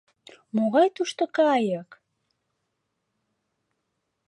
Могай тушто кайык!